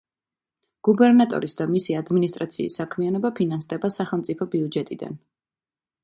გუბერნატორის და მისი ადმინისტრაციის საქმიანობა ფინანსდება სახელმწიფო ბიუჯეტიდან.